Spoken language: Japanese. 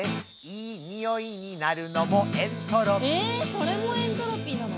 それもエントロピーなの？